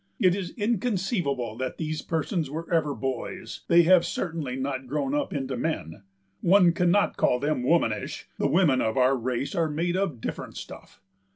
It is inconceivable that these persons were ever boys, they have certainly not grown up into men; one cannot call them womanish—the women of our race are made of different stuff.